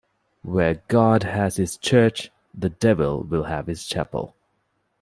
Where God has his church, the devil will have his chapel.